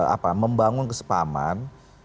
apa membangun kesepahaman